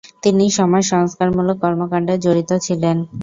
তিনি সমাজ সংস্কারমূলক কর্মকাণ্ডে জড়িত ছিলেন।